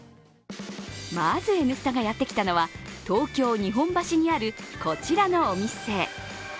まず、「Ｎスタ」がやってきたのは東京・日本橋にあるこちらのお店。